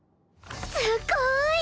すごい！